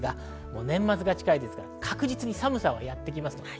年末が近いですから確実に寒さはやってきます。